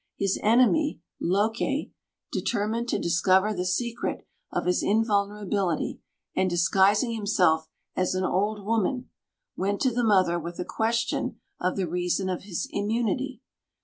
His enemy, Loake, determined to discover the secret of his invulnerability, and, disguising himself as an old woman, went to the mother with a question of the reason of his immunity.